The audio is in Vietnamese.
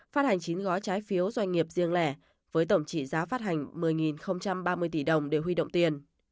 phát hành chín gói trái phiếu doanh nghiệp riêng lẻ với tổng trị giá phát hành một mươi ba mươi tỷ đồng để huy động tiền